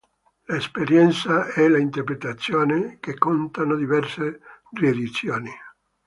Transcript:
L'esperienza e l'interpretazione", che contano diverse riedizioni.